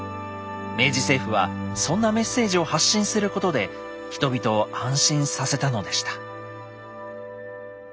明治政府はそんなメッセージを発信することで人々を安心させたのでした。